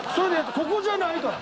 ここじゃないから。